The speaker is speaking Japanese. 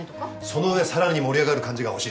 その上さらに盛り上がる感じが欲しいですね。